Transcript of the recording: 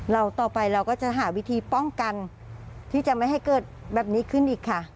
ต่อไปเราก็จะหาวิธีป้องกันที่จะไม่ให้เกิดแบบนี้ขึ้นอีกค่ะ